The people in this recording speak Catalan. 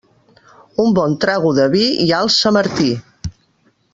Un bon trago de vi i alça Martí.